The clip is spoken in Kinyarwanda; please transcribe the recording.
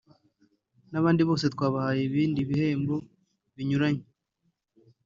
n’abandi bose twabahaye ibindi bihembo binyuranye